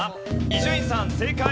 伊集院さん正解！